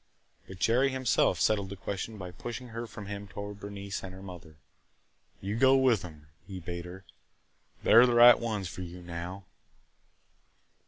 But Jerry himself settled the question by pushing her from him toward Bernice and her mother. "You go with them!" he bade her. "They 're the right ones for you now!"